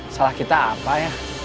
salah kita apa ya